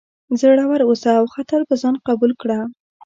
زړور اوسه او خطر په ځان قبول کړه.